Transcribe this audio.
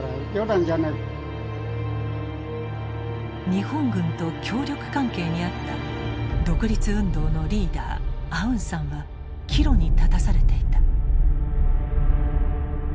日本軍と協力関係にあった独立運動のリーダーアウンサンは岐路に立たされていた。